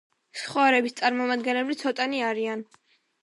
სხვა ერების წარმომადგენლები ცოტანი არიან.